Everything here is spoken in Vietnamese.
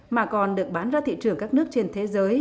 mà còn được bán ra thị trường các nước trên thế giới